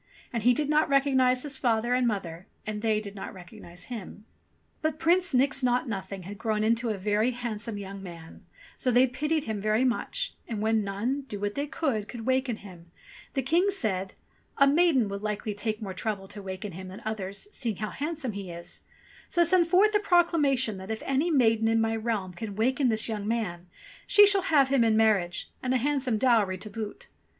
And he did not recognize his father and mother and they did not recognize him, I90 ENGLISH FAIRY TALES But Prince Nix Naught Nothing had grown into a very handsome young man, so they pitied him very much, and when none, do what they would, could waken him, the King said, "A maiden will likely take more trouble to waken him than others, seeing how handsome he is ; so send forth a proclamation that if any maiden in my realm can waken this young man, she shall have him in marriage, and a handsome dowry to boot."